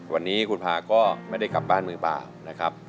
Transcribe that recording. วันนี้คุณพาก็ไม่ได้กลับบ้านมือเปล่านะครับ